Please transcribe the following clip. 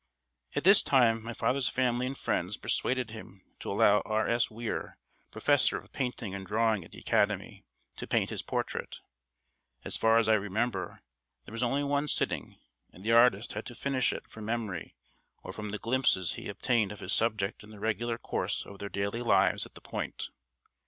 At this time, my father's family and friends persuaded him to allow R. S. Weir, Professor of Painting and Drawing at the Academy, to paint his portrait. As far as I remember, there was only one sitting, and the artist had to finish it from memory or from the glimpses he obtained of his subject in the regular course of their daily lives at "The Point."